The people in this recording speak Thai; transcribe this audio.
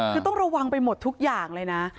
คือต้องระวังไปหมดทุกอย่างเลยนะ